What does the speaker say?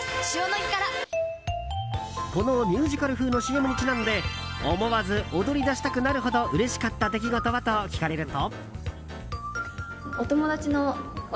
このミュージカル風のＣＭにちなんで思わず踊り出したくなるほどうれしかった出来事は？と聞かれると。